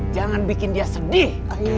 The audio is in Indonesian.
jangan bikin dia sedih